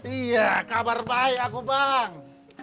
iya kabar baik aku bang